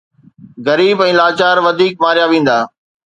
غريب ۽ لاچار وڌيڪ ماريا ويندا آهن.